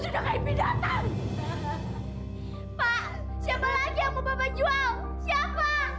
pak siapa lagi yang mau bapak jual siapa